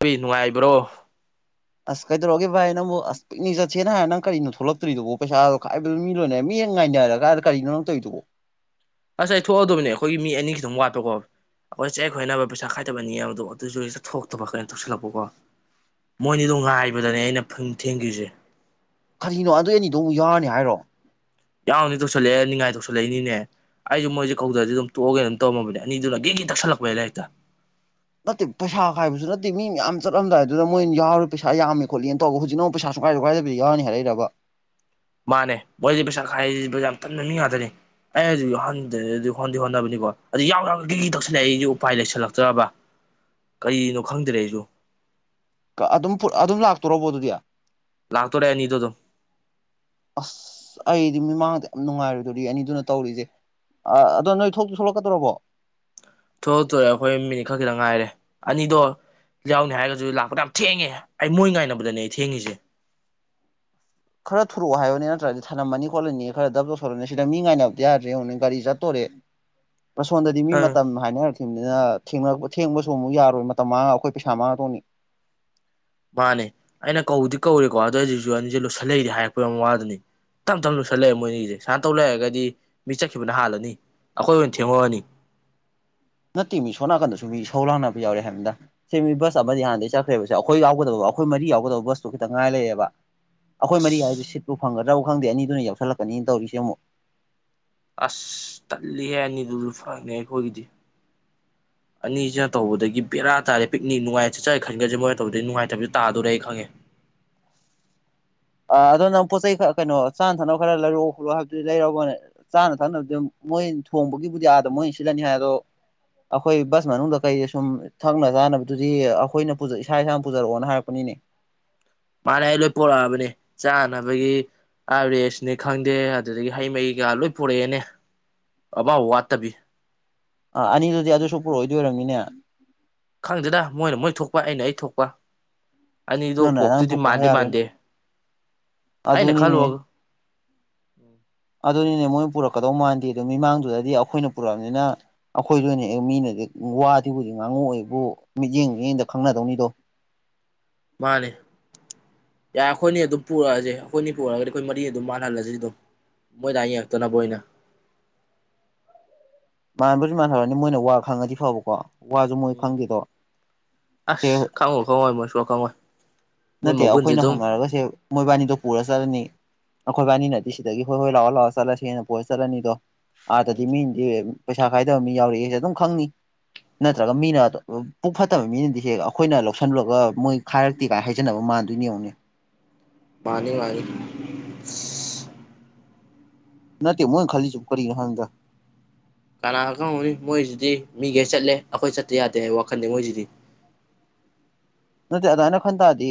ꯍꯏ ꯅꯨꯡꯉꯥꯏꯕ꯭ꯔꯣ ꯑꯁ ꯀꯩꯗꯧꯔꯒꯦ ꯚꯥꯏ ꯅꯪꯕꯨ ꯑꯁ ꯄꯤꯛ ꯆꯠꯁꯦꯅ ꯍꯥꯏ ꯅꯪ ꯀꯔꯤꯅꯣ ꯊꯣꯛꯂꯛꯇ꯭ꯔꯤꯗꯨꯣ ꯄꯩꯁꯥꯗꯣ ꯈꯥꯏꯕꯣ ꯃꯤ ꯂꯣꯏꯅꯦ ꯃꯤ ꯍꯦꯡ ꯉꯥꯏꯅꯔꯀꯗ ꯀꯔꯤꯅꯣ ꯇꯧꯔꯤꯗꯨꯕꯣ ꯑꯁ ꯑꯩ ꯊꯣꯛꯑꯗꯕꯅꯦ ꯑꯩꯈꯣꯏꯒꯤ ꯃꯤ ꯑꯅꯤꯁꯤ ꯑꯗꯨꯝ ꯋꯥꯠꯄꯀꯣ ꯑꯩꯈꯣꯏ ꯆꯦ ꯑꯩ ꯈꯣꯏꯅꯕ ꯄꯩꯁꯥ ꯈꯥꯏꯗꯕꯅꯤꯕꯗꯣ ꯑꯗꯨꯁꯨ ꯁꯤꯇ ꯊꯣꯛꯇꯕ ꯀꯩꯅꯣ ꯇꯁꯤꯜꯂꯛꯄꯀꯣ ꯃꯣꯏꯅꯤꯗꯣ ꯉꯥꯏꯕꯗꯅꯦ ꯑꯩꯅ ꯊꯦꯡꯈꯤꯕ꯭ꯌꯨꯁꯦ ꯀꯔꯤꯅꯣ ꯑꯗꯨꯏ ꯑꯅꯤꯗꯣ ꯑꯃꯨꯛ ꯌꯥꯎꯔꯅꯤ ꯍꯥꯏꯔꯣ ꯌꯥꯎꯅꯤ ꯇꯧꯁꯜꯂꯛꯑꯦ ꯅꯤꯡꯉꯥꯏ ꯇꯧꯁꯜꯂꯛꯏꯅꯤꯅꯦ ꯑꯩꯁꯨ ꯃꯣꯏꯁꯦ ꯀꯧꯗ꯭ꯔꯗꯤ ꯑꯗꯨꯝ ꯇꯣꯛꯑꯒꯦ ꯑꯗꯨꯝ ꯇꯧꯃꯕꯅꯦ ꯑꯅꯤꯗꯨꯅꯒꯤ ꯀ ꯇꯛꯁꯜꯂꯛꯄ ꯑꯩ ꯂꯥꯏꯔꯤꯛꯇ ꯅꯠꯇꯦ ꯄꯩꯁꯥ ꯈꯥꯏꯕꯁꯨ ꯅꯠꯇꯦ ꯍꯥꯏꯗꯤ ꯃꯤ ꯌꯥꯝ ꯆꯠꯂꯝꯗꯥꯏ ꯑꯗꯨꯗ ꯃꯣꯏꯅꯎꯦ ꯄꯩꯁꯥ ꯌꯥꯝꯃꯤ ꯈꯣꯠꯂꯤꯦꯅ ꯇꯧꯕ ꯍꯧꯖꯤꯛꯅ ꯄꯩꯁꯥꯁꯨ ꯀꯥꯏꯁꯨ ꯀꯥꯏꯗꯗꯤ ꯌꯥꯎꯔꯅꯤ ꯍꯥꯏꯔꯛꯔꯕ [unintelligible] ꯃꯥꯅꯦ ꯃꯣꯏꯁꯤꯦ ꯄꯩꯁꯥ ꯈꯥꯏꯁꯤ ꯌꯥꯝ ꯇꯟꯅ ꯃꯤꯉꯥꯗꯅꯤ ꯑꯩ ꯑꯗꯨꯎꯟꯗ꯭ꯔꯦ ꯑꯗꯨ ꯍꯗꯤ ꯍꯣꯅꯕꯅꯤꯀꯣ ꯑꯗꯨ ꯌꯥꯎꯔ ꯀꯦ ꯇꯧꯁꯤꯜꯂꯛꯏ ꯑꯩꯗꯤ ꯎꯄꯥꯏ ꯂꯩꯁꯤꯜꯂꯛꯇ꯭ꯔꯕ ꯀꯅꯣ ꯈꯪꯗ꯭ꯔꯦ ꯑꯩꯁꯨ ꯑꯗꯨꯝ ꯑꯗꯨꯝ ꯂꯥꯛꯇꯣꯔꯔꯕꯣ ꯑꯗꯨꯗꯤ ꯂꯥꯛꯇꯔꯦꯅꯤꯊꯧꯣꯗ ꯑꯁ ꯑꯩꯗꯤ ꯃꯤꯃꯥꯡꯗ ꯌꯥꯝ ꯅꯨꯡꯉꯥꯏꯔꯗꯨꯗꯤ ꯑꯅꯤꯗꯨꯅ ꯇꯧꯔꯤꯁꯦ ꯑ ꯑꯗꯣ ꯅꯣꯏ ꯊꯣꯛꯇꯨ ꯊꯣꯛꯂꯛꯀꯗꯧꯔꯕꯣ ꯊꯣꯛꯛꯇꯣꯔꯦ ꯑꯩꯈꯣꯏ ꯃꯤꯅꯤꯠ ꯈꯔ ꯈꯤꯇꯪ ꯉꯥꯏꯔꯦ ꯑꯅꯤꯗꯣ ꯌꯥꯎꯅꯤ ꯍꯥꯏꯔꯒꯁꯨ ꯂꯥꯛꯄꯗ ꯌꯥꯝ ꯊꯦꯡꯉꯦ ꯑꯩ ꯃꯣꯏ ꯉꯥꯏꯅꯕꯗꯅꯦ ꯑꯩ ꯊꯦꯡꯉꯤꯁꯦ ꯈꯔ ꯊꯔꯣ ꯋꯥ ꯍꯥꯏꯌꯣꯅꯤ ꯅꯠꯇ꯭ꯔꯗꯤ ꯊꯅꯝ ꯃꯅꯤ ꯀꯣꯂꯣꯅꯤꯒ ꯈꯔ ꯗꯞ ꯇꯧꯊꯣꯔꯛꯅꯦ ꯁꯤꯗ ꯃꯤ ꯉꯥꯏꯅꯕꯗꯤ ꯌꯥꯗ꯭ꯔꯦ ꯍꯧꯪ ꯒꯥꯔꯤ ꯆꯠꯇꯣꯔꯦ ꯄ꯭ꯔꯁꯣꯟꯗꯗꯤ ꯃꯤ ꯑ ꯃꯇꯝ ꯍꯥꯏꯅꯔꯛꯈꯤꯕꯅꯤꯅ ꯊꯦꯡ ꯊꯦꯡꯕꯁꯨ ꯑꯃꯨꯛ ꯌꯥꯔꯣꯏ ꯃꯇꯝ ꯃꯥꯡꯉꯒ ꯑꯩꯈꯣꯏ ꯄꯩꯁꯥ ꯃꯥꯡꯉꯗꯧꯅꯤ ꯃꯥꯅꯦ ꯑꯩꯅ ꯀꯧꯗꯤ ꯀꯧꯔꯦꯀꯣ ꯑꯗꯨꯗꯣ ꯍꯧꯖꯤꯛꯁꯨ ꯑꯅꯤꯁꯦ ꯂꯣꯏꯁꯤꯜꯂꯛꯏꯗꯤ ꯍꯥꯏꯔꯛꯄꯩ ꯋꯥꯗꯨꯅꯤ ꯇꯞ ꯇꯞꯅ ꯂꯨꯁꯜꯂꯛꯑꯦ ꯃꯣꯏꯅꯤꯒꯤꯁꯦ ꯁꯨꯃꯥꯏꯅ ꯇꯧ ꯂꯩꯦ ꯍꯥꯏꯔꯒꯗꯤ ꯃꯤ ꯆꯠꯈꯤꯕꯅ ꯍꯥꯜꯂꯅꯤ ꯑꯩꯈꯣꯏ ꯑꯣꯏꯅ ꯊꯦꯡꯉꯛꯑꯅꯤ [unintelligible] ꯅꯠꯇꯦ ꯃꯤ ꯁꯣ ꯅꯥꯀꯟꯗꯁꯨ ꯃꯤ ꯁꯧ ꯂꯥꯡꯅꯕ ꯌꯥꯎꯔꯦ ꯍꯥꯏꯕꯟꯗ ꯁꯤ ꯃꯤ ꯕꯁ ꯑꯃꯗꯤ ꯍꯥꯟꯅꯗꯒꯤ ꯆꯠꯈ꯭ꯔꯦꯕꯁꯦ ꯑꯩꯈꯣꯏ ꯌꯥꯎꯒꯗꯕ ꯑꯩꯈꯣꯏ ꯃꯔꯤ ꯌꯥꯎꯗꯕ ꯕꯁꯇꯣ ꯈꯤꯇ ꯉꯥꯏ ꯂꯩꯌꯦꯕ ꯑꯩꯈꯣꯏ ꯃꯔꯤ ꯍꯥꯏꯁꯦ ꯑꯁ ꯁꯤꯠꯄꯨ ꯐꯪꯒꯗ꯭ꯔꯕ ꯈꯪꯗꯦ ꯑꯅꯤꯗꯨꯅ ꯌꯥꯎꯁꯜꯂꯛꯀꯅꯤꯅ ꯇꯧꯔꯤꯁꯦ ꯑꯃꯨꯛ ꯑꯁ ꯇꯠꯂꯤꯍ ꯑꯅꯤꯗꯨꯁꯨ ꯐꯪꯅꯤ ꯑꯩꯈꯣꯏꯒꯤꯗꯤ [unintelligible] ꯑꯅꯤꯁꯤꯅ ꯇꯧꯕꯗꯒꯤ ꯕꯔꯥ ꯇꯥꯔꯦ ꯄꯤꯛꯅꯤꯛ ꯅꯨꯡꯉꯥꯏ ꯆꯠꯦ ꯈꯟꯒ꯭ꯔꯁꯦ ꯃꯣꯏꯅ ꯇꯧꯕꯗꯗꯒꯤ ꯅꯨꯡꯉꯥꯏꯇꯕꯁ ꯇꯥꯗꯣꯔꯦ ꯑꯩ ꯈꯪꯉꯦ [unintelligible] ꯑ ꯑꯗꯣ ꯅꯪ ꯄꯣꯠ ꯆꯩꯔ ꯀꯩꯅꯣ ꯆꯥꯅ ꯊꯛꯅꯕ ꯈꯔ ꯂꯩꯔꯣꯑꯣ ꯈꯣꯠꯂꯣ ꯍꯥꯏꯕꯗꯨꯗꯤ ꯂꯩꯔꯣꯒ ꯆꯥꯅ ꯊꯛꯅꯕꯗꯤ ꯃꯣꯏ ꯊꯣꯡꯕꯒꯤꯕꯨꯗꯤ ꯑꯥꯗ ꯃꯣꯏ ꯑꯣꯏꯅ ꯁꯤꯜꯂꯅꯤ ꯍꯥꯏ ꯑꯗꯣ ꯑꯩꯈꯣꯏ ꯕꯁ ꯃꯅꯨꯡꯗ ꯀꯩꯗ ꯁꯨꯝ ꯊꯛꯅ ꯆꯥꯅꯕꯗꯨꯗꯤ ꯑꯩꯈꯣꯏꯅ ꯏꯁꯥ ꯏꯁꯥꯅ ꯄꯨꯖꯔꯛꯑꯣꯅ ꯍꯥꯏꯔꯛꯄꯅꯤꯅꯦ [unintelligible] ꯃꯥꯅ ꯑꯩ ꯂꯣꯏ ꯄꯣꯔꯛꯑꯕꯅꯦ ꯆꯥꯅꯕꯒꯤ ꯍꯥꯏꯔꯦ ꯁꯤꯅꯦ ꯈꯪꯗꯦ ꯑꯗꯨꯗꯒꯤ ꯍꯩ ꯃꯍꯩꯒ ꯂꯣꯏ ꯄꯨꯔꯛꯑꯦꯅꯦ ꯑꯕꯥ ꯋꯥꯠꯇꯕꯤ ꯑꯥ ꯑꯅꯤꯗꯨꯗꯤ ꯑꯗꯨꯁꯨ ꯄꯨꯔꯛꯑꯣꯏꯗꯣꯏꯔꯝꯅꯤꯅꯦ ꯈꯪꯗꯦꯗ ꯃꯣꯏꯅ ꯃꯣꯏ ꯊꯣꯛꯄ ꯑꯩꯅ ꯑꯩ ꯊꯣꯛꯄ ꯑꯅꯤꯗꯣ ꯅꯪꯅ ꯑꯔꯥꯡ ꯄꯣꯛꯇꯨꯗꯤ ꯊꯣꯛꯄ ꯃꯥꯟꯗꯦ ꯍꯥꯏꯔꯔꯣꯏꯅꯦ ꯃꯥꯟꯗꯦ ꯑꯅꯦ ꯈꯜ ꯑꯗꯨꯅꯤꯅꯦ ꯋꯥꯒ ꯑꯗꯨꯅꯤꯅꯦ ꯃꯣꯏꯅ ꯄꯨꯔꯛꯀꯗꯧ ꯃꯥꯟꯗꯦ ꯑꯗꯨ ꯃꯤꯃꯥꯡꯗꯨꯗꯗꯤ ꯑꯩꯈꯣꯏꯅ ꯄꯨꯔꯛꯑꯕꯅꯤꯅ ꯑꯩꯈꯣꯏꯗꯨꯅꯦ ꯃꯤꯅꯅꯦ ꯋꯥꯗꯤꯕꯨꯖꯤꯛ ꯉꯥꯡꯉꯨ ꯑꯩꯕꯨ ꯃꯤꯠꯌꯦꯡ ꯃꯤꯠꯌꯦꯡꯗ ꯈꯪꯅꯗꯧꯅꯤꯗꯣ ꯃꯥꯅꯦꯦ ꯌꯥꯔꯦ ꯑꯩꯈꯣꯏꯅꯤ ꯑꯗꯨꯝ ꯄꯨꯔꯛꯑꯁꯦ ꯑꯩꯈꯣꯏꯅꯤ ꯄꯨꯔꯛꯑꯒꯗꯤ ꯑꯩꯈꯣꯏ ꯃꯔꯤꯅꯤ ꯑꯗꯨꯝ ꯃꯥꯟꯅꯍꯜꯂꯁꯤ ꯑꯗꯨꯝ ꯃꯣꯏ ꯇꯏꯛꯇꯅꯕꯣꯏꯅ ꯃꯥꯟꯕꯗꯤ ꯃꯥꯟꯅꯍꯔꯅꯤ ꯃꯣꯏꯅ ꯋꯥ ꯈꯪꯉꯗꯤ ꯐꯕꯀꯣ ꯋꯥꯁꯨ ꯃꯣꯏ ꯎꯝ ꯈꯪꯗꯦꯗꯣ ꯑꯁ ꯁꯦ ꯈꯉꯣ ꯈꯉꯣꯏ ꯃꯣꯏꯁꯨ ꯈꯉꯏ ꯅꯠꯇꯦ ꯑꯩꯈꯣꯏꯅ ꯍꯧꯅꯔꯒꯁꯦ ꯃꯣꯏꯕꯥꯅꯤꯗꯣ ꯄꯨꯔ ꯆꯠꯂꯅꯤ ꯑꯩꯈꯣꯏꯕꯥꯅꯤꯅꯗꯤ ꯁꯤꯗꯒꯤ ꯍꯣꯏ ꯍꯣꯏ ꯂꯥꯎꯔ ꯂꯥꯛꯔ ꯆꯠꯂꯁꯦꯅ ꯄꯣꯏꯔ ꯆꯠꯂꯅꯤꯗꯣ ꯑꯥꯗꯗꯤ ꯃꯤꯅꯗꯤ ꯄꯩꯁꯥ ꯀꯥꯏꯗꯕ ꯃꯤ ꯌꯥꯎꯔꯛꯦꯁꯦ ꯑꯗꯨꯝ ꯈꯪꯅꯤ ꯅꯠꯇ꯭ꯔꯒ ꯃꯤꯅ ꯄꯨꯛ ꯐꯠꯇꯕ ꯃꯤꯅꯗꯤ ꯍꯦ ꯑꯩꯈꯣꯏꯅ ꯂꯧꯁꯜꯂꯨꯔꯒ ꯃꯣꯏ ꯈꯥꯏꯔꯛꯇꯦꯒꯥꯏ ꯍꯥꯏꯖꯅꯕ ꯃꯥꯟꯗꯣꯏꯅꯦꯅꯦ ꯃꯥꯅꯤ ꯃꯥꯅꯤ ꯅꯠꯇ ꯃꯣꯏ ꯈꯂꯤ ꯆꯨꯞ ꯀꯔꯤ ꯍꯒ ꯀꯅꯥꯒ ꯈꯪꯍꯧꯅꯤ ꯃꯣꯏꯁꯤꯗꯤ ꯃꯤꯒꯦ ꯆꯠꯂꯦ ꯑꯩꯈꯣꯏ ꯆꯠꯇ ꯌꯥꯗꯦ ꯍꯥꯏꯕ ꯋꯥꯈꯜꯗ ꯃꯣꯏꯁꯤꯗꯤ [unintelligible] ꯅꯠꯇꯦ ꯑꯗꯨꯃꯥꯏꯅ ꯈꯟ ꯇꯥꯔꯗꯤ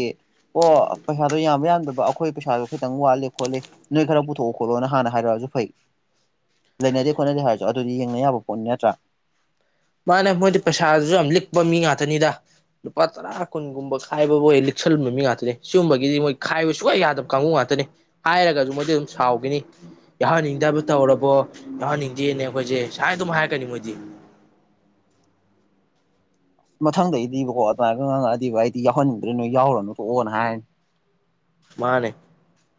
ꯑꯣ ꯄꯩꯁꯥꯗꯣ ꯌꯥꯝꯕ ꯌꯥꯝ ꯑꯩꯈꯣꯏ ꯄꯩꯁꯥꯁꯨꯣ ꯈꯤꯇꯪ ꯋꯥꯠꯂꯤ ꯈꯣꯠꯂꯤ ꯅꯣꯏ ꯈꯔ ꯄꯨꯊꯣꯛꯑꯣ ꯈꯣꯠꯂꯣꯅ ꯍꯥꯟꯅ ꯍꯥꯏꯔꯛꯑꯁꯨ ꯐꯩ ꯂꯩꯅꯗꯦ ꯈꯣꯠꯅꯗꯦ ꯍꯥꯏꯔꯁꯨ ꯑꯗꯨꯗꯤ ꯌꯦꯡꯅ ꯌꯥꯕ ꯄꯣꯠꯅꯤ ꯅꯠꯇ꯭ꯔꯥ ꯃꯥꯅ ꯃꯣꯏꯗꯤ ꯄꯩꯁꯥꯗꯨꯁꯨ ꯌꯥꯝ ꯂꯤꯛꯄ ꯃꯤ ꯉꯥꯛꯇꯅꯤꯗ ꯂꯨꯄꯥ ꯇꯔꯥ ꯀꯨꯟꯒꯨꯝꯕ ꯈꯥꯏꯕꯕꯨ ꯑꯣꯏ ꯂꯤ ꯏꯛꯁꯜꯍꯟꯕ ꯃꯤ ꯉꯥꯛꯇꯅꯦ ꯁꯤꯒꯨꯝꯕꯒꯤꯗꯤ ꯃꯣꯏ ꯈꯥꯏꯕ ꯁꯨꯛꯌꯥ ꯌꯥꯗꯕ ꯀꯥꯡꯕꯨ ꯉꯥꯛꯇꯅꯤ ꯍꯥꯏꯔꯒꯁꯨ ꯃꯣꯏꯗꯤ ꯑꯗꯨꯝ ꯁꯥꯎꯈꯤꯅꯤ ꯌꯥꯎꯍꯟꯅꯤꯡꯗꯕ ꯇꯧꯔꯕꯣ ꯌꯥꯎꯍꯟꯅꯤꯡꯗꯦꯅꯦ ꯑꯩꯈꯣꯏꯁꯦ ꯁꯨꯃꯥꯏꯅ ꯑꯗꯨꯝ ꯍꯥꯏꯔꯛꯀꯅꯤ ꯃꯣꯏꯗꯤ [unintelligible] ꯃꯊꯪꯗꯩꯗꯤꯕꯀꯣ ꯑꯗꯨꯃꯥꯏꯒ ꯉꯥꯡꯉꯛꯑꯗꯤꯕ ꯑꯩꯗꯤ ꯌꯥꯎꯍꯟꯅꯤꯡꯗ꯭ꯔꯦ ꯅꯣꯏ ꯌꯥꯎꯔꯣꯅꯨ ꯀꯣꯛꯑꯣꯅ ꯍꯥꯏꯔꯅꯤ ꯃꯥꯅꯦ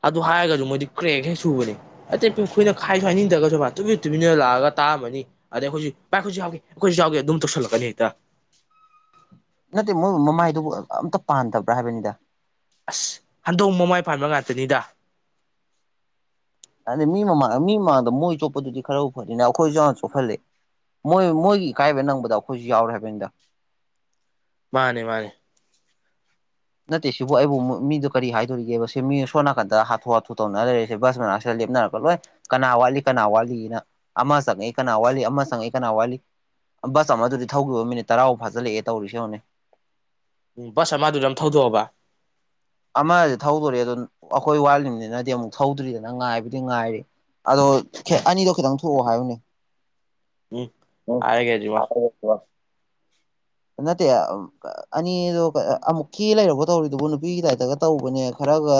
ꯑꯗꯨ ꯍꯥꯏꯔꯒꯁꯨ ꯃꯣꯏꯗꯤ ꯀ꯭ꯔꯦꯛ ꯍꯦꯛ ꯁꯨꯕꯅꯦ ꯑꯇꯩ ꯄꯈꯣꯏꯅ ꯈꯥꯏꯁꯨ ꯍꯥꯏꯅꯤꯡꯗ꯭ꯔꯒꯁꯨ ꯇꯨꯃꯤ ꯇꯨꯃꯤꯟꯅ ꯂꯥꯛꯑꯒ ꯇꯥꯑꯃꯅꯤ ꯑꯗ ꯑꯩꯈꯣꯏꯁꯨ ꯚꯥꯏ ꯑꯩꯈꯣꯏꯁꯨ ꯌꯥꯎꯒꯦ ꯑꯩꯈꯣꯏꯁꯨ ꯌꯥꯎꯒꯦ ꯑꯗꯨꯝ ꯇꯧꯁꯜꯂꯛꯀꯅꯤ ꯍꯦꯛꯇ ꯅꯠꯇꯦ ꯃꯣꯏ ꯃꯃꯥꯏꯗꯨꯕꯨ ꯑꯝꯇ ꯄꯥꯟꯗꯕ꯭ꯔꯥ ꯍꯥꯏꯕꯅꯤꯗ ꯑꯁ ꯍꯟꯗꯣꯡ ꯃꯃꯥꯏ ꯄꯥꯟꯕ ꯉꯇꯅꯤꯗ ꯑꯗ ꯃꯤ ꯃꯃꯥꯡꯗ ꯃꯤ ꯃꯃꯥꯡꯗ ꯃꯣꯏ ꯆꯣꯠꯄꯗꯨꯗꯤ ꯈꯔ ꯎ ꯐꯅꯤꯅ ꯑꯩꯈꯣꯏꯁꯨ ꯆꯥꯅ ꯆꯣꯛꯍꯜꯂꯤꯦ ꯃꯣꯏ ꯃꯣꯏꯒꯤ ꯏꯀꯥꯏꯕ ꯅꯪꯕꯗꯣ ꯑꯩꯈꯣꯏꯁꯨ ꯌꯥꯎꯔꯦ ꯍꯥꯏꯕꯅꯤꯗ ꯃꯥꯅꯦ ꯃꯥꯅꯦ ꯅꯠꯇꯦ ꯁꯤꯕꯨ ꯑꯩꯕꯨ ꯃꯤꯣ ꯀꯔꯤ ꯍꯥꯏꯗꯣꯔꯤꯒꯦꯕ ꯁꯤ ꯃꯤ ꯁꯣ ꯅꯥꯀꯟꯗ ꯍꯥꯊꯨ ꯍꯥꯊꯨ ꯇꯧꯅ ꯂꯩꯔꯦꯁꯦ ꯕꯁ ꯃꯅꯥꯛ ꯂꯦꯞꯅꯔꯛꯄ ꯂꯣꯏ ꯀꯅꯥ ꯋꯥꯠꯂꯤ ꯀꯅꯥ ꯋꯥꯠꯂꯤꯅ ꯑꯃ ꯆꯪꯉꯛꯏ ꯀꯅꯥ ꯋꯥꯠꯂꯤ ꯑꯃ ꯆꯪꯉꯛꯏ ꯀꯅꯥ ꯋꯥꯠꯂꯤ ꯕꯁ ꯑꯃ ꯑꯗꯨꯗꯤ ꯊꯧꯈꯤꯕ ꯃꯤꯅꯤꯠ ꯇꯔꯥꯐꯥꯎ ꯐꯥꯖꯤꯜꯂꯛꯑꯦ ꯇꯧꯔꯤꯁ ꯍꯧꯅꯦ ꯎꯝ ꯕꯁ ꯑꯃꯗꯨꯗ ꯌꯥꯝ ꯊꯧꯗꯣꯛꯑꯕ ꯑꯃ ꯊꯧꯗꯣꯔꯦ ꯑꯗꯨ ꯑꯩꯈꯣꯏ ꯋꯥꯠꯂꯤꯕꯅꯤꯅꯗꯤ ꯑꯃꯨꯛ ꯊꯧꯗ꯭ꯔꯤꯗꯅ ꯉꯥꯏꯕꯨꯗꯤ ꯉꯥꯏꯔꯤꯦ ꯑꯗꯣ ꯑꯅꯤꯗꯣ ꯈꯤꯇꯪ ꯊꯣꯛꯑꯣ ꯍꯥꯏꯌꯅꯦ ꯎꯝ ꯍꯥꯏꯒꯦꯖꯤꯃ [unintelligible] ꯅꯠꯇꯦ ꯑꯅꯤꯗꯣ ꯑꯃꯨꯛꯀꯤ ꯂꯩꯔꯛꯄ ꯇꯧꯔꯤꯗꯨꯕꯨ ꯅꯨꯄꯤꯒꯤꯗ ꯇꯒ ꯇꯧꯕꯅꯦ ꯈꯔꯒ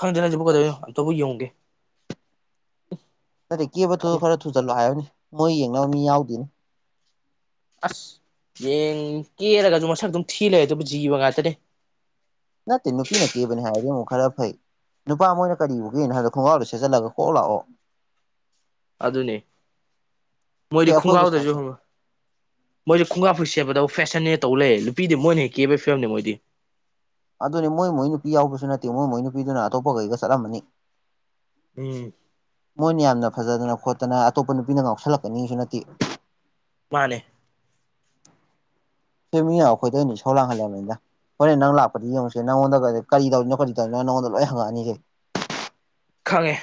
ꯈꯪꯗꯦꯅꯖꯤꯕꯨ ꯀꯗꯇꯣꯕꯨ ꯌꯧꯒꯦ ꯅꯠꯇꯦ ꯀꯦꯕꯇ ꯈꯔ ꯊꯨꯖꯜꯂꯣ ꯍꯥꯏꯨꯅꯤ ꯃꯣꯏ ꯌꯦꯡꯅꯕ ꯃꯤ ꯌꯥꯎꯗꯦꯅꯤ ꯑꯁ ꯌꯦꯡ ꯀꯦꯔꯒꯁꯨ ꯃꯁꯛ ꯑꯗꯨꯝ ꯊꯤ ꯂꯩꯦ ꯑꯗꯨꯕꯨ ꯖꯤꯕ ꯉꯥꯛꯇꯅꯦ ꯅ ꯇ ꯅꯨꯄꯤꯤ ꯅꯅꯥ ꯀꯦꯕꯅꯤ ꯍꯥꯏꯔꯦꯃ ꯈꯔ ꯐꯩ ꯅꯨꯄꯥ ꯃꯣꯏꯅ ꯀꯔꯤꯔꯤꯕ ꯎꯒꯦꯅꯣ ꯍꯥꯏꯕꯗꯣ ꯈꯣꯡꯒꯥꯥꯎꯗꯣ ꯁꯦꯠꯆꯜꯂꯒ ꯀꯣꯛ ꯂꯥꯛꯑꯣ ꯑꯗꯨ ꯑꯗꯨꯅꯦ ꯁꯤ ꯃꯣꯏꯗꯤ ꯑꯩꯈꯣꯏꯕꯨ ꯈꯨꯡꯒꯥꯒꯗ꯭ꯔꯁꯨ ꯁꯥꯏꯁꯨ ꯍꯪꯉꯨ ꯃꯣꯏꯗꯤ ꯈꯨꯡꯒꯥ ꯐ ꯁꯦꯝꯕꯗ ꯐꯦꯁꯟꯅꯦ ꯇꯧ ꯂꯩ ꯅꯨꯄꯤꯗꯤ ꯃꯣꯏꯅ ꯍꯦꯛ ꯀꯦꯕꯒꯤ ꯐꯤꯕꯝꯅꯦ ꯃꯣꯏꯗꯤ ꯑꯗꯨꯅꯦ ꯃꯣꯏ ꯃꯣꯏ ꯅꯨꯄꯤ ꯌꯥꯎꯕꯁꯨ ꯅꯠꯇꯦ ꯃꯣꯏ ꯃꯣꯏ ꯅꯨꯄꯤꯗꯨꯅ ꯑꯇꯣꯞꯄꯈꯩꯒ ꯆꯠꯂꯝꯃꯅꯤ ꯎꯝ ꯃꯣꯏꯅꯤ ꯌꯥꯝꯝ ꯅ ꯐꯖꯗꯅ ꯈꯣꯠꯇꯅ ꯑꯇꯣꯞꯄ ꯅꯨꯄꯤꯅ ꯉꯥꯎꯁꯜꯂꯛꯀꯅꯤꯁꯨ ꯅꯠꯇꯦ ꯃꯥꯅꯦ ꯁꯤ ꯃꯤꯅ ꯑꯈꯣꯏꯗ ꯑꯣꯏꯅ ꯏꯁꯧ ꯂꯥꯡꯍꯜꯂꯝꯃꯤꯗ ꯍꯣꯔꯦꯟ ꯅꯪ ꯂꯥꯛꯄꯗꯤ ꯌꯦꯡꯉꯨꯁꯦ ꯅꯉꯣꯟꯗ ꯀꯔꯤ ꯇꯧꯔꯤꯅꯣ ꯀꯔꯤ ꯇꯧꯔꯤꯅꯣ ꯅꯉꯣꯟꯗ ꯂꯣꯏ ꯍꯪꯉꯛꯑꯅꯤꯁꯦ ꯈꯪꯉꯦ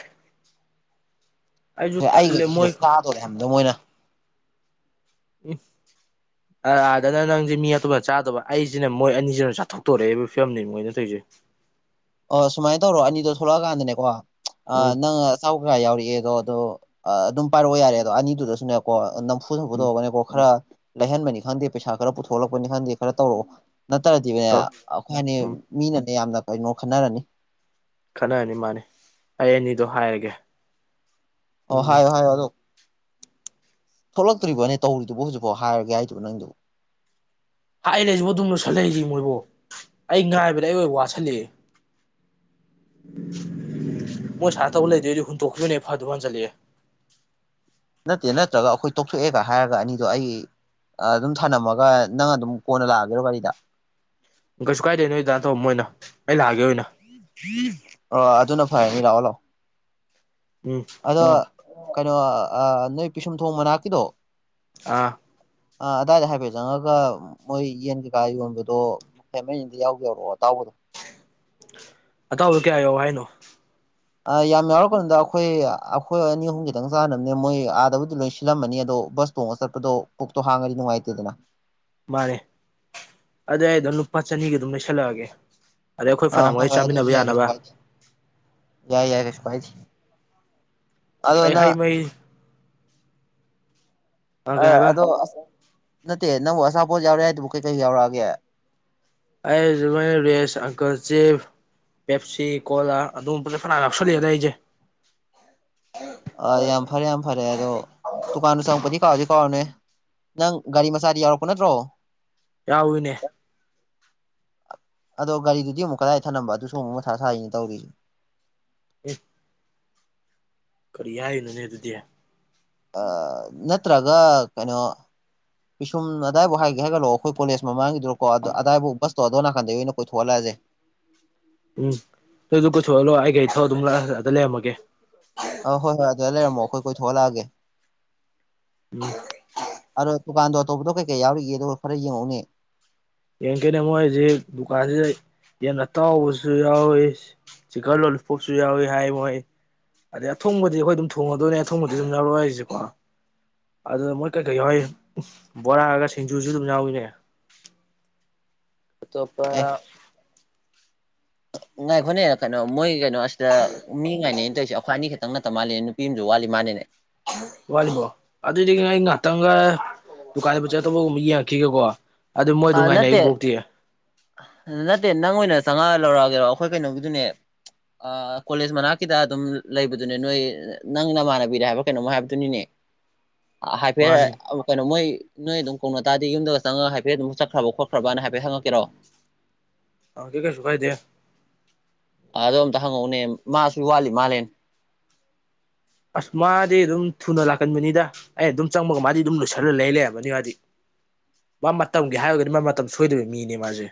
ꯑꯩꯁꯨ ꯁꯤ ꯇꯜꯂꯦ ꯑꯩꯒꯁꯤ ꯁꯤꯗ ꯃꯣꯏ ꯆꯥꯗꯣꯔꯦ ꯍꯥꯏꯕꯅꯤꯗ ꯃꯣꯏꯅ ꯎꯝ ꯑ ꯑꯥꯗꯅ ꯅꯪꯖꯤ ꯃꯤ ꯑꯇꯣꯞꯄꯅ ꯆꯥꯗꯕ ꯑꯩꯖꯤꯅ ꯃꯣꯏ ꯑꯅꯤꯖꯤꯅ ꯆꯥꯊꯣꯛꯇꯣꯔꯦꯑꯦꯕ ꯐꯤꯕꯝꯅꯤ ꯃꯣꯏꯅ ꯇꯧꯏꯖꯦ ꯑꯣ ꯁꯨꯃꯥꯏꯅ ꯇꯧꯔꯣ ꯑꯅꯤꯗꯣ ꯊꯣꯛꯂꯛꯑꯀꯥꯟꯗꯅꯦꯀꯣ ꯆ ꯑꯥ ꯎꯝ ꯅꯪ ꯑꯆꯥꯎ ꯈꯔ ꯌꯥꯎꯔꯛꯑꯦ ꯑꯗꯣ ꯑ ꯑꯗꯨꯝ ꯄꯥꯏꯔꯛꯑꯣ ꯌꯥꯔꯦ ꯑꯗꯣ ꯑꯅꯤꯗꯨꯗꯁꯨꯅꯦ ꯀꯣ ꯅꯝꯐꯨ ꯁꯥꯐꯨ ꯎꯝ ꯇꯧꯔꯒꯅꯦꯀꯣ ꯈꯔ ꯂꯩꯍꯟꯕꯅꯤ ꯈꯪꯗꯦ ꯄꯩꯁꯥ ꯈꯔ ꯄꯨꯊꯣꯛꯍꯂꯛꯄꯅꯤ ꯈꯪꯗꯦ ꯈꯔ ꯇꯧꯔꯛꯑꯣ ꯅꯠꯇ꯭ꯔꯗꯤꯅꯦ ꯇꯧ ꯑꯈꯣꯏ ꯑꯅꯤ ꯎꯝ ꯃꯤꯅꯅꯦ ꯌꯥꯝꯅ ꯀꯩꯅꯣ ꯈꯟꯅꯔꯅꯤ ꯈꯟꯅꯔꯅꯤ ꯃꯥꯅꯤ ꯑꯩ ꯑꯅꯤꯗꯣ ꯍꯥꯏꯔꯒꯦ ꯑꯣ ꯎꯝ ꯍꯥꯏꯌꯣ ꯍꯥꯏꯌꯣ ꯑꯗꯣ ꯊꯣꯛꯂꯛꯇ꯭ꯔꯤꯕꯣꯅꯦ ꯇꯧꯔꯤꯗꯨꯕꯨ ꯍꯧꯖꯤꯛꯐꯥꯎ ꯍꯥꯏꯔꯒꯦ ꯍꯥꯏꯗꯨꯕꯨ ꯅꯪꯗꯨꯕꯨ ꯍꯥꯏ ꯂꯩꯖꯤꯕꯣ ꯑꯗꯨꯝ ꯂꯣꯏꯁꯤꯜ ꯂꯩꯖꯤ ꯃꯣꯏꯕꯣ ꯑꯩ ꯉꯥꯏꯕꯗ ꯑꯩ ꯑꯣꯏ ꯋꯥꯁꯂꯑꯦ [inaudible] ꯃꯣꯏ ꯁꯥꯏꯅ ꯇꯧ ꯂꯩꯗꯣꯏꯗꯤ ꯍꯨꯟꯇꯣꯛꯈꯤꯕꯅ ꯍꯦ ꯐꯗꯧ ꯃꯥꯟꯖꯜꯂꯛꯑꯦ ꯅꯠꯇꯦ ꯅꯠꯇ꯭ꯔꯒ ꯑꯈꯣꯏ ꯇꯣꯛꯊꯣꯛꯑꯦꯒ ꯍꯥꯏꯔꯒ ꯑꯅꯤꯗꯣ ꯑꯩ ꯑ ꯗꯨꯝ ꯊꯅꯝꯃꯒ ꯅꯪ ꯑꯗꯨꯝ ꯀꯣꯟꯅ ꯂꯥꯛꯑꯒꯦꯔꯣ ꯒꯥꯔꯤꯗ ꯀꯩꯁꯨ ꯀꯥꯏꯗꯦ ꯅꯣꯏꯗꯥꯟ ꯇꯧꯔꯃꯣꯏꯅ ꯑꯩ ꯂꯥꯛꯑꯒꯦ ꯑꯣꯏꯅ ꯑ ꯑꯗꯨꯅ ꯐꯔꯅꯤ ꯂꯥꯛꯑꯣ ꯂꯥꯛꯑꯣ ꯎꯝ ꯑꯗꯣ ꯀꯩꯅꯣ ꯑꯥ ꯅꯣꯏ ꯄꯤꯁꯨꯝ ꯊꯣꯡ ꯃꯅꯥꯛꯀꯤꯗꯣ ꯑꯥ ꯑ ꯑꯗꯥꯏꯗ ꯍꯥꯏꯐꯦꯠ ꯆꯪꯉꯒ ꯃꯣꯏ ꯌꯦꯟ ꯀꯩꯀꯥ ꯌꯣꯟꯕꯗꯣ ꯄꯀꯦꯠ ꯑꯃꯅꯤꯗ ꯌꯥꯎꯒꯦ ꯌꯥꯎꯔꯛꯑꯣ ꯑꯇꯥꯎꯕꯗꯣ [inaudible] ꯑꯇꯥꯎꯕꯗꯣ ꯀꯌꯥ ꯌꯥꯎ ꯍꯥꯏꯅꯣ ꯑ ꯌꯥꯝ ꯌꯥꯎꯔꯛꯀꯅꯨꯗ ꯑꯈꯣꯏ ꯑꯈꯣꯏ ꯑꯅꯤ ꯑꯍꯨꯝ ꯈꯤꯇꯪ ꯆꯥꯅꯝꯅꯦ ꯃꯣꯏ ꯑꯥꯗꯕꯨꯗꯤ ꯂꯣꯏ ꯁꯤꯜꯂꯝꯃꯅꯤ ꯑꯗꯣ ꯕꯁ ꯇꯣꯡꯉ ꯆꯠꯄꯗꯣ ꯄꯨꯛꯇꯣ ꯍꯥꯡꯉꯗꯤ ꯅꯨꯡꯉꯥꯏꯇꯦꯗꯅ ꯃꯥꯅꯦ ꯑꯗꯨ ꯑꯩꯗꯣ ꯂꯨꯄꯥ ꯆꯅꯤꯒꯤ ꯑꯗꯨꯝ ꯂꯩꯏꯁꯜꯂꯛꯑꯒꯦ ꯑꯗꯩ ꯑꯈꯣꯏ ꯑꯥ ꯍꯣꯏ ꯐꯅꯥꯝꯋꯥꯏ ꯍꯣꯏ ꯑꯗꯨꯁꯨ ꯆꯥꯃꯤꯟꯅꯕ ꯌꯥꯏ ꯀꯩꯁꯨ ꯌꯥꯅꯕ ꯀꯥꯏꯗꯦ ꯌꯥꯏ ꯌꯥꯏ ꯀꯩꯁꯨ ꯀꯥꯏꯗꯦ ꯑꯗꯣ ꯅꯪ ꯑꯩꯍꯩ ꯃꯍꯤ ꯑ ꯀꯩ ꯍꯥꯏꯕ ꯑꯗꯣ ꯑꯁ ꯅꯠꯇꯦ ꯅꯪꯕꯨ ꯑꯆꯥꯄꯣꯠ ꯌꯥꯎꯔꯛꯑ ꯍꯥꯏꯗꯨꯕꯨ ꯀꯩꯀꯩ ꯌꯥꯎꯔꯛꯑꯒꯦ ꯑꯩꯩꯖꯨꯃꯏꯅ ꯔꯦꯁ ꯑꯪꯀꯜ ꯆꯤꯞ ꯄꯦꯞꯁꯤ ꯀꯣꯂꯥ ꯑꯗꯨꯒꯨꯝꯕꯖꯦ ꯐꯅꯥꯝ ꯌꯥꯎꯁꯜꯂꯑꯦꯗ ꯑꯩꯖꯦ [inaudible] ꯑ ꯌꯥꯝ ꯐꯔꯦ ꯌꯥꯝ ꯐꯔꯦ ꯑꯗꯣ ꯇꯨꯀꯥꯟꯗꯨ ꯆꯪꯉꯛꯄꯗꯤ ꯀꯥꯎꯔꯗꯤ ꯀꯥꯎꯔꯅꯨꯍꯦ ꯅꯪ ꯒꯥꯔꯤ ꯃꯆꯥꯗꯤ ꯌꯥꯎꯔꯛꯄ ꯅꯠꯇ꯭ꯔꯣ ꯌꯥꯎꯋꯤꯅꯦ ꯑꯗꯣ ꯒꯥꯔꯤꯗꯨꯗꯤ ꯑꯃꯨꯛ ꯀꯗꯥꯏ ꯊꯅꯝꯕ ꯑꯗꯨꯁꯨ ꯑꯃꯨꯛ ꯃꯊꯥ ꯁꯥꯥꯏꯔꯤꯅꯤ ꯇꯧꯔꯤꯖꯤ ꯎꯝ ꯀꯔꯤ ꯍꯥꯏꯔꯤꯅꯣꯅꯦ ꯑꯗꯨꯗꯤ ꯑ ꯅꯠꯇ꯭ꯔꯒ ꯀꯩꯅꯣ ꯄꯤꯁꯨꯝ ꯑꯗꯥꯏꯕꯥꯥꯎ ꯍꯥꯏꯒꯦ ꯍꯥꯏꯒꯠꯂꯛꯑꯣ ꯑꯩꯈꯣꯏ ꯀꯣꯂꯦꯖ ꯃꯃꯥꯡꯒꯤ ꯗꯣꯀꯣ ꯑꯗ ꯑꯗꯥꯏꯕꯣꯛ ꯕꯁꯇꯣ ꯑꯗꯣ ꯅꯥꯀꯟꯗꯩꯒꯤ ꯑꯣꯏꯅ ꯀꯣꯏꯊꯣꯛꯍꯜꯂꯛꯑꯖꯦ ꯎꯝ ꯗꯨꯁꯨ ꯀꯣꯏꯊꯣꯛꯍꯜꯂꯣ ꯑꯩ ꯒꯥꯔꯤ ꯊꯧꯔ ꯑꯗꯨꯝ ꯂꯥꯛꯑꯒ ꯂꯩꯔꯝꯃꯒꯦ ꯑ ꯍꯣꯏ ꯍꯣꯏ ꯑꯗꯨꯗ ꯂꯩꯔꯝꯃꯣ ꯑꯈꯣꯏ ꯀꯣꯏꯊꯣꯛꯍꯂꯛꯑꯒꯦ ꯎꯝ ꯑꯗꯣ ꯗꯨꯀꯥꯟꯗꯣ ꯑꯇꯣꯞꯄꯗꯣ ꯀꯩ ꯀꯩ ꯌꯥꯎꯔꯤꯒꯦꯗꯣ ꯈꯔ ꯌꯦꯡꯉꯛꯎꯅꯦ ꯌꯦꯡꯀꯦꯅꯦ ꯃꯣꯏꯖꯤꯛ ꯗꯨꯀꯥꯟꯖꯤꯗ ꯌꯦꯟ ꯑꯇꯥꯎꯕꯁꯨ ꯌꯥꯎꯔꯤ ꯆꯤꯀꯜ ꯂꯣꯂꯤꯄꯣꯞꯁꯨ ꯌꯥꯎꯔꯤ ꯍꯥꯏ ꯃꯣꯏ ꯑꯗꯩ ꯑꯊꯣꯡꯕꯗꯤ ꯑꯈꯣꯏ ꯑꯗꯨꯝ ꯊꯣꯡꯉꯗꯣꯏꯅꯦ ꯑꯊꯣꯡꯕꯗꯤ ꯑꯗꯨꯝ ꯂꯧꯔꯣꯏꯖꯤꯀꯣ ꯑꯗꯨ ꯃꯣꯏ ꯀꯩꯀꯩ ꯌꯥꯎꯋꯏ ꯕꯣꯔꯥꯑꯒ ꯁꯤꯡꯖꯨꯁꯨ ꯑꯗꯨꯝ ꯌꯥꯎꯏꯅꯦ ꯑꯇꯣꯄ ꯉꯥꯏꯈꯣꯠꯅꯦ ꯀꯩꯅꯣ ꯃꯣꯏ ꯀꯩꯅꯣ ꯑꯁꯤꯗ ꯃꯤ ꯉꯥꯏꯅꯅ ꯇꯧꯔꯤꯁꯦ ꯑꯩꯈ꯭ꯋꯥ ꯑꯅꯤ ꯈꯛꯇꯪ ꯅꯠꯇ ꯃꯥꯜꯂꯤ ꯅꯨꯄꯤ ꯑꯃꯁꯁꯨ ꯋꯥꯠꯂꯤ ꯃꯥꯜꯂꯤꯅꯦ ꯋꯥꯂꯤꯕꯣꯜ ꯑꯗꯨꯗꯤ ꯉꯥꯛꯇꯒ ꯗꯨꯀꯥꯟꯗꯕꯨ ꯆꯠꯇꯧꯕꯒꯨꯝꯕ ꯌꯦꯡꯉꯛꯈꯤꯒꯀꯣ ꯑꯗꯨ ꯃꯣꯏ ꯑꯗꯨꯝ ꯉꯥꯏꯅꯏꯕꯣꯛꯇꯤ ꯑꯗꯨ ꯅꯠꯇꯦ ꯅꯪ ꯑꯣꯏꯅ ꯆꯪꯉꯛꯑ ꯂꯧꯔꯛꯑꯒꯦꯔꯣ ꯑꯩꯈꯣꯏ ꯀꯩꯅꯣꯒꯤꯗꯨꯅꯦ ꯀꯣꯂꯦꯖ ꯃꯅꯥꯛꯀꯤꯗ ꯑꯗꯨꯝ ꯂꯩꯕꯗꯨꯅꯦ ꯅꯣꯏ ꯅꯪ ꯅꯃꯥꯟꯅꯕꯤꯔꯦ ꯍꯥꯏꯕ ꯀꯩꯅꯣꯝ ꯍꯥꯏꯕꯗꯨꯅꯤꯅꯦ ꯍꯥꯏꯐꯦꯠ ꯃꯥꯅꯤ ꯀꯩꯅꯣ ꯃꯣꯏ ꯅꯣꯏ ꯑꯗꯨꯝꯧꯅ ꯇꯔꯗꯤ ꯌꯨꯝꯗꯒ ꯆꯪꯉꯒ ꯍꯥꯏꯐꯦꯠ ꯑꯗꯨꯝ ꯆꯠꯈ꯭ꯔꯕ ꯈꯣꯠꯈ꯭ꯔꯅ ꯍꯥꯏꯐꯦꯠ ꯍꯪꯉꯛꯦꯔꯣ ꯑ ꯀ ꯀꯩꯁꯨ ꯐꯥꯏꯗꯦ ꯑ ꯑꯗ ꯑꯝꯇ ꯍꯪꯉꯛꯎꯅꯦ ꯃꯥꯁꯨ ꯋꯥꯠꯂꯤ ꯃꯥꯜꯂꯦ ꯑꯁ ꯃꯥꯗꯤ ꯑꯗꯨꯝ ꯊꯨꯅ ꯂꯥꯛꯀꯟꯕꯅꯤꯗ ꯑꯩ ꯑꯗꯨꯝ ꯆꯪꯕꯒ ꯃꯥꯗꯤ ꯑꯗꯨꯝ ꯂꯣꯏꯁꯜꯂꯒ ꯂꯩ ꯂꯩꯔꯝꯝꯕꯅꯤ ꯃꯥꯗꯤ ꯃꯥ ꯃꯇꯝꯒꯤ ꯍꯥꯏꯔꯒꯗꯤ ꯃꯥ ꯃꯇꯝ ꯁꯣꯏꯗꯕ ꯃꯤꯅꯦ ꯃꯥꯁꯦ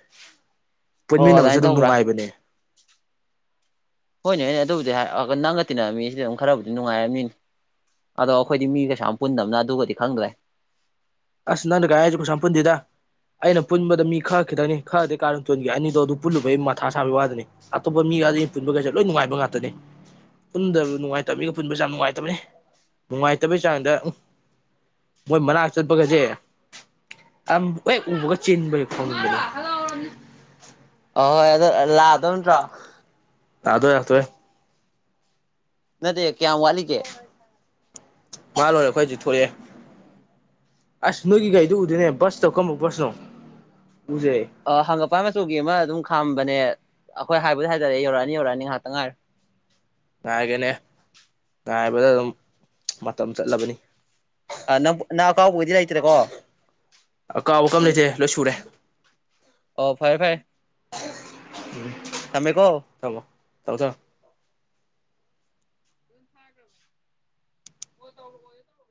ꯑꯣ ꯄꯨꯟꯃꯤꯟꯅꯕꯁꯨ ꯑꯗꯨꯃꯥꯏꯅ ꯑꯗꯨꯝ ꯇꯧꯕ꯭ꯔꯥ ꯅꯨꯡꯉꯥꯏꯕꯅꯦ ꯍꯩꯅꯅꯦ ꯑꯗꯨꯕꯨꯗꯤ ꯅꯪꯒ ꯇꯤꯟꯅ ꯃꯤꯁꯤꯗꯤ ꯑꯗꯨꯝ ꯈꯔꯕꯨꯗꯤ ꯅꯨꯡꯉꯥꯏꯔꯝꯅꯤꯅꯤ ꯑꯗꯣ ꯑꯩꯈꯣꯏꯗꯤ ꯃꯤ ꯀꯩꯁꯥ ꯌꯥꯝ ꯄꯨꯟꯗꯕꯅ ꯑꯗꯨꯒꯗꯤ ꯈꯪꯗ꯭ꯔꯦ ꯑꯁ ꯅꯪ ꯀ ꯑꯖ ꯈꯨ ꯁꯝ ꯄꯨꯟꯗꯗ ꯑꯩꯅ ꯄꯨꯟꯕꯗ ꯃꯤ ꯈꯔ ꯈꯤꯇꯪꯅꯤ ꯈꯔꯗꯤ ꯀꯥꯔ ꯆꯣꯏꯒꯦ ꯑꯅꯤꯗꯣ ꯑꯗꯨ ꯄꯨꯜꯂꯨꯕ ꯑꯩ ꯃꯊꯥ ꯁꯥꯕꯒꯤ ꯋꯥꯗꯅꯤ ꯑꯇꯣꯞꯄ ꯃꯤ ꯗ ꯄꯨꯟꯕ ꯀꯩꯁꯦ ꯂꯣꯏ ꯅꯨꯡꯉꯥꯏꯕ ꯉꯥꯛꯇꯅꯦ ꯄꯨꯟꯗꯕ ꯅꯨꯡꯉꯥꯏꯇꯕꯅꯤꯒ ꯄꯨꯟꯕꯁꯨ ꯌꯥꯝ ꯅꯨꯡꯉꯥꯏꯇꯕꯅꯤ ꯅꯨꯡꯉꯥꯏꯇꯕꯩ ꯆꯥꯡꯗ ꯃꯣꯏ ꯃꯅꯥ ꯆꯠꯄꯒꯁꯦ ꯍꯦꯛ ꯎꯃꯒ ꯆꯤꯟꯕꯒꯤ ꯈꯣꯡꯅꯤꯡꯕꯅꯦ ꯑꯍꯣꯏ ꯑꯗꯨ ꯂꯥꯛꯑꯗꯧ ꯅꯠꯇ꯭ꯔꯣ ꯌꯥꯥꯗꯋꯦ ꯌꯥꯇꯣꯏꯦ ꯅ ꯀꯌꯥ ꯋꯥꯂꯤ ꯀꯦ ꯃꯥꯜ ꯂꯣꯏꯔꯦ ꯑꯩꯈꯣꯏ ꯍꯧꯖꯤꯛ ꯊꯣꯛꯑꯦ ꯑꯁ ꯅꯣꯏꯒꯤ ꯒꯥꯔꯤꯗꯨ ꯎꯗꯣꯏꯅꯦ ꯕꯁꯇꯧ ꯀꯔꯝꯝꯕꯨꯛ ꯕꯁꯅꯣ ꯎꯗꯦ ꯑ ꯍꯪꯉꯛꯄ ꯃꯆꯨꯒꯤ ꯑꯃ ꯑꯗꯨꯝ ꯈꯥꯝꯕꯅꯦ ꯑꯩꯈꯣꯏ ꯍꯥꯏꯕꯗꯤ ꯍꯥꯏꯖꯔꯛꯦ ꯌꯧꯔꯛꯑꯅꯤ ꯌꯧꯔꯛꯑꯅꯤ ꯉꯥꯏꯍꯥꯛꯇ ꯉꯥꯏꯔꯣ ꯉꯥꯏꯒꯅꯦ ꯉꯥꯏꯕꯗ ꯑꯗꯨꯝ ꯃꯇꯝ ꯆꯠꯂꯕꯅꯤ ꯑ ꯅꯪ ꯅꯪ ꯑꯀꯥꯎꯕꯒꯤꯗꯤ ꯂꯩꯇ꯭ꯔꯦꯀꯣ ꯀꯥꯎꯕ ꯀꯝ ꯂꯩꯇꯦ ꯂꯣꯏ ꯁꯨꯔꯦ ꯑꯣ ꯐꯔꯦ ꯐꯔꯦ ꯊꯃꯦꯃꯦ ꯀꯣ ꯇꯧꯁ